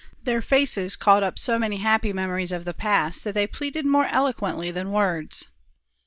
Their faces called up so many happy memories of the past that they pleaded more eloquently than words.